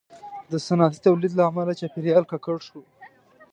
• د صنعتي تولید له امله چاپېریال ککړ شو.